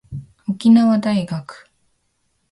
沖縄大学